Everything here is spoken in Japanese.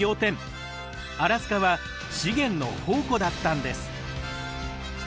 アラスカは資源の宝庫だったんです。